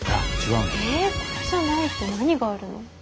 えこれじゃないと何があるの？